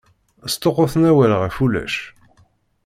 Sṭuqquten awal ɣef ulac!